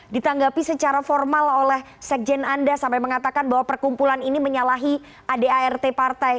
ditanggapi secara formal oleh sekjen anda sampai mengatakan bahwa perkumpulan ini menyalahi adart partai